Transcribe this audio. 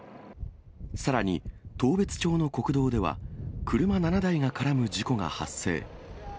さらに、当別町の国道では、車７台が絡む事故が発生。